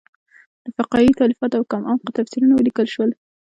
د فقهې تالیفات او کم عمقه تفسیرونه ولیکل شول.